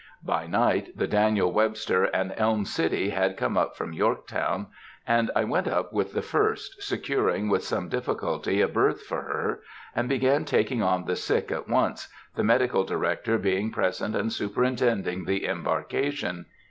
By night the Daniel Webster and Elm City had come up from Yorktown, and I went up with the first, securing with some difficulty a berth for her, and began taking on the sick at once, the Medical Director being present and superintending the embarkation.